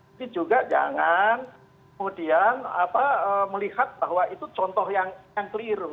mungkin juga jangan kemudian melihat bahwa itu contoh yang keliru